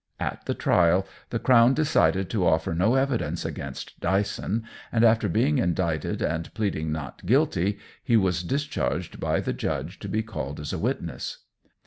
At the trial, the Crown decided to offer no evidence against Dyson, and, after being indicted and pleading "Not guilty," he was discharged by the judge to be called as a witness.